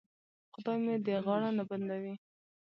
خدای مې دې غاړه نه بندوي.